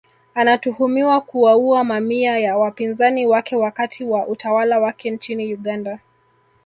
Anatuhumiwa kuwaua mamia ya wapinzani wake wakati wa utawala wake nchini Uganda